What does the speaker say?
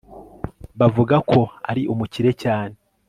bavuga ko ari umukire cyane